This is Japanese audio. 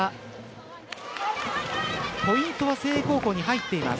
ポイントは誠英高校に入っています。